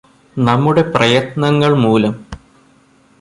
നമ്മുടെ പ്രയത്നങ്ങള് മൂലം